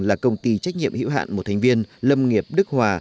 là công ty trách nhiệm hữu hạn một thành viên lâm nghiệp đức hòa